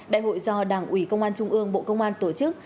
đại hội do đảng ủy công an trung ương bộ công an tổ chức